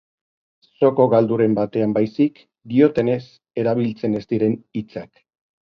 Zoko galduren batean baizik, diotenez, erabiltzen ez diren hitzak.